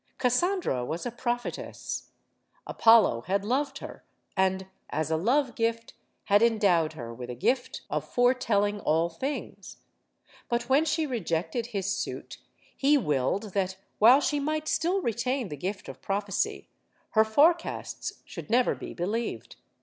Cassandra was a prophetess. Apollo had loved her, and, as a love gift, had endowed her with a gift of foretelling all things. But when she rejected his suit, he willed that while she might still retain the gift of prophecy, her forecasts should never be believed.